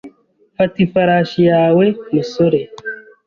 Fata ifarashi yawe, musore.